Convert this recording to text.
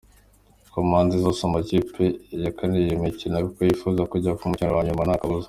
Ku mpande zose amakipe yakaniye iyi mikino kuko yifuza kujya ku mukino wanyuma ntakabuza.